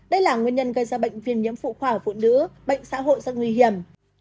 đây là nguyên nhân gây ra bệnh viêm nhiễm phụ khoa ở phụ nữ bệnh xã hội rất nguy hiểm